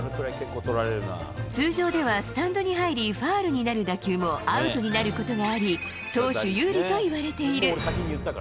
通常ではスタンドに入り、ファウルになる打球もアウトになることがあり、投手有利といわれている。